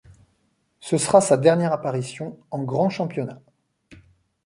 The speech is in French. Ce sera sa dernière apparition en grand championnat.